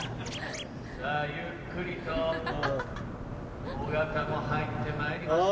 さぁゆっくりと尾形も入ってまいりました。